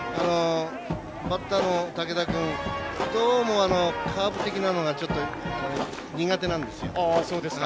バッターの武田君どうも、カーブ的なのがちょっと苦手なんですよ。